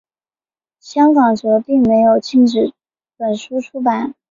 香港则并没有禁止本书出版。